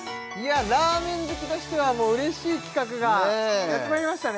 ラーメン好きとしてはもう嬉しい企画がやってまいりましたね